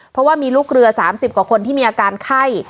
เพราะว่ามีลูกเรือ๓๐กว่าคนที่มีอาการไข้